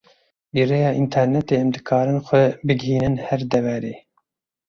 Bi rêya internetê em dikarin xwe bigihînin her deverê.